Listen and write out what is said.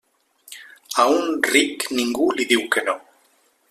A un ric ningú li diu que no.